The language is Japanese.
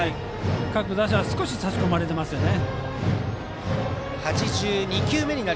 各打者、少し差し込まれていますね。